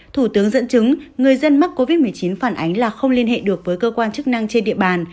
thủ tướng dẫn chứng người dân mắc covid một mươi chín phản ánh là không liên hệ được với cơ quan chức năng trên địa bàn